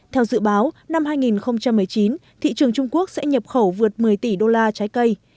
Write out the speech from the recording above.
theo dự báo năm hai nghìn một mươi chín thị trường trung quốc sẽ nhập khẩu vượt một mươi tỷ đô la trái cây